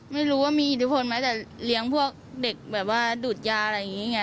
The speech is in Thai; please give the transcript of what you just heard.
ไม่รู้ว่ามีอิทธิพลไหมแต่เลี้ยงพวกเด็กแบบว่าดูดยาอะไรอย่างนี้ไง